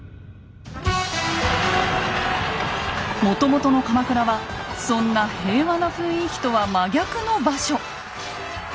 もともとの鎌倉はそんな平和な雰囲気とは真逆の場所。